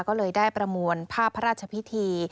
ก็เลยได้ประมวลภาพพระราชพิธี